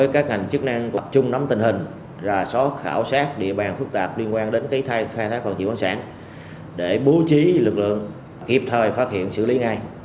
các ngành chức năng trung nắm tình hình ra sót khảo sát địa bàn phức tạp liên quan đến khai thác khoáng sản trái phép để bố trí lực lượng kịp thời phát hiện xử lý ngay